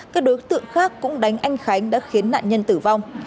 các đối tượng khác cũng đánh anh khánh đã khiến nạn nhân tử vong